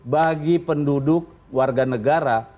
bagi penduduk warga negara